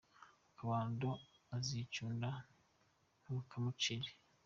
Akabando azicunda tukamucire